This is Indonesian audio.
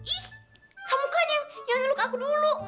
ih kamu kan yang nyuk aku dulu